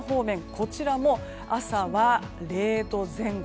こちらも朝は０度前後。